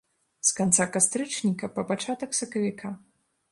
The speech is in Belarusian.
З канца кастрычніка па пачатак сакавіка.